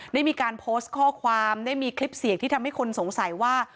ได้มีการโพสต์ข้อความได้มีคลิปเสียงที่ทำให้คนสงสัยว่า